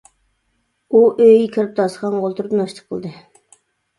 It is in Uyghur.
ئۇ ئۆيگە كىرىپ داستىخانغا ئولتۇرۇپ ناشتا قىلدى.